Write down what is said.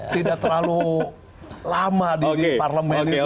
tidak terlalu lama di parlemen itu